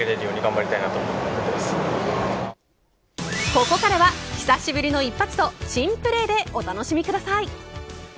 ここからは久しぶりの一発と珍プレーでお楽しみください